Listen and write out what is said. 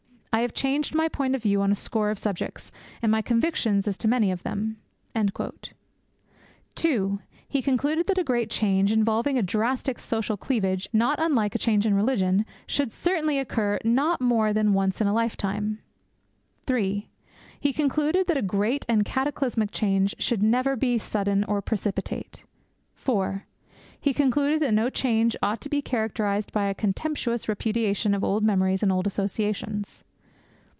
I have changed my point of view on a score of subjects, and my convictions as to many of them.' (2) He concluded that a great change, involving a drastic social cleavage, not unlike a change in religion, should certainly occur not more than once in a lifetime. (3) He concluded that a great and cataclysmic change should never be sudden or precipitate. (4) He concluded that no change ought to be characterized by a contemptuous repudiation of old memories and old associations.